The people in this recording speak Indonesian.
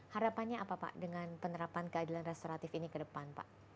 harapannya apa pak dengan penerapan keadilan restoratif ini ke depan pak